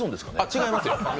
違いますよ。